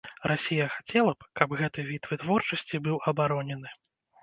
Расія хацела б, каб гэты від вытворчасці быў абаронены.